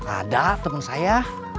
ada temen saya